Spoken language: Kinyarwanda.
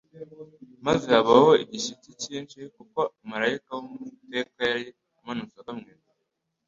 «Maze habaho igishyitsi cyinshi, kuko maraika w'Uwiteka yari amanutse ava mu ijuru.»